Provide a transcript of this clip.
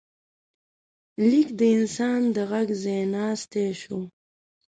لیک د انسان د غږ ځای ناستی شو.